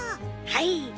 はい！